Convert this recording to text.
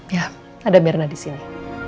ya ada mirna di sini